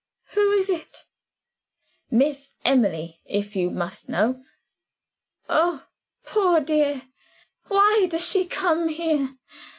"Who is it?" "Miss Emily, if you must know." "Oh! poor dear, why does she come here?